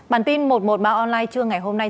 bản tin một trăm một mươi ba online trưa ngày hôm nay